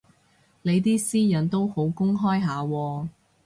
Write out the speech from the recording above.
你啲私隱都好公開下喎